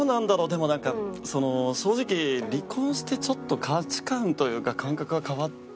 でもなんか正直離婚してちょっと価値観というか感覚が変わって。